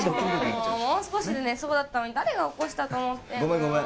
もう少しで寝そうだったのに誰が起こしたと思ってんのごめんごめん